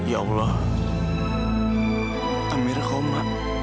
ya allah amir koma